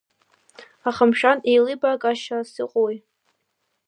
Аха мшәан, еилибаакашьас иҟоуи?